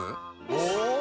お！